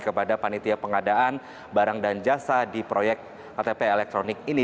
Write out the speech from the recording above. kepada panitia pengadaan barang dan jasa di proyek ktp elektronik ini